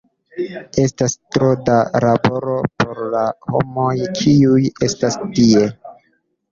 Estas tro da laboro por la homoj kiuj estas tie.